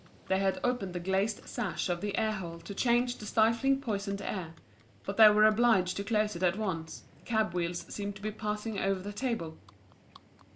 They had opened the glazed sash of the airhole to change the stifling poisoned air; but they were obliged to close it at once, the cab wheels seemed to be passing over the table.